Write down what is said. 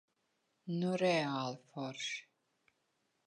Nu reāli forši.